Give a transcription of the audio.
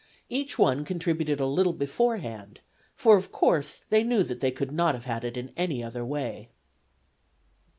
Each one contributed a little beforehand, for, of course, they knew they could not have had it in any other way."